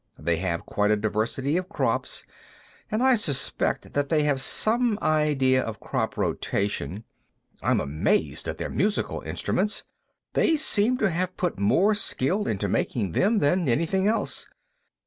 They have quite a diversity of crops, and I suspect that they have some idea of crop rotation. I'm amazed at their musical instruments; they seem to have put more skill into making them than anything else.